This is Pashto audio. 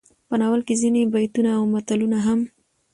په ناول کې ځينې بيتونه او متلونه هم